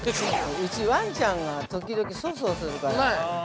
◆うち、わんちゃんが時々粗相するから。